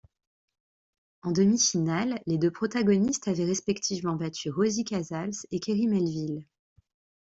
En demi-finale, les deux protagonistes avaient respectivement battu Rosie Casals et Kerry Melville.